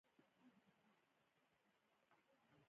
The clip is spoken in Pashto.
یوازې شهامت کولای شي چې ژوند رهبري کړي.